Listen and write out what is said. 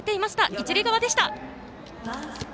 一塁側でした。